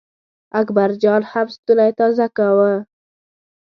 اکبر جان هم ستونی تازه کاوه.